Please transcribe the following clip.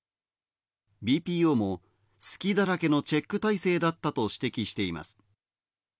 ＢＰＯも「隙だらけのチェック体制だった」と指摘しています